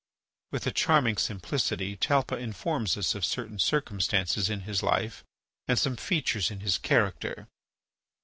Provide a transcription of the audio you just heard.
With a charming simplicity, Talpa informs us of certain circumstances in his life and some features in his character.